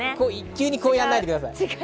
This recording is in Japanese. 急にこうやらないでください。